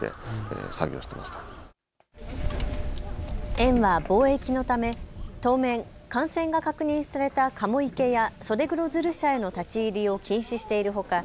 園は防疫のため当面、感染が確認されたカモ池やソデグロヅル舎への立ち入りを禁止しているほか